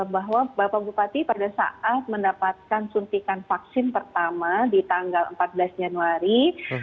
bahwa bapak bupati pada saat mendapatkan suntikan vaksin pertama di tanggal empat belas januari